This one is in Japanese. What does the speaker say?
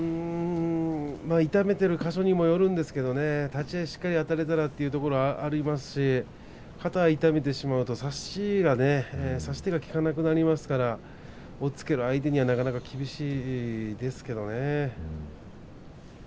痛めている箇所にもよるんですが立ち合いしっかりあたれたらというところもありますし肩を痛めてしまうと差し手が効かなくなってしまいますから押っつけが厳しくなりますね。